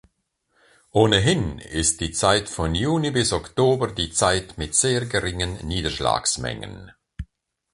Ohnehin ist die Zeit von Juni bis Oktober die Zeit mit sehr geringen Niederschlagsmengen.